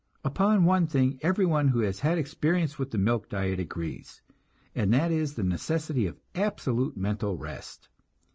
Upon one thing everyone who has had experience with the milk diet agrees, and that is the necessity of absolute mental rest.